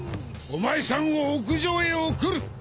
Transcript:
お前さんを屋上へ送る。